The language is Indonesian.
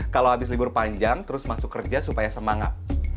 kalau habis libur panjang terus masuk kerja supaya semangat